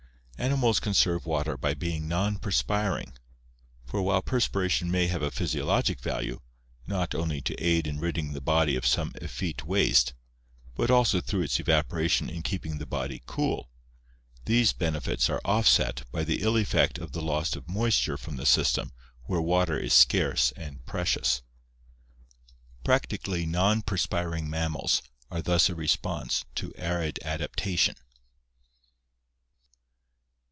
Animals conserve water by being non perspiring, for while per spiration may have a physiologic value, not only to aid in ridding the body of some effete waste, but also, through its evaporation, in keeping the body cool, these benefits are offset by the ill effect of the loss of moisture from the system where water is scarce and precious. Practically non perspiring mammals are thus a response to arid adaptation.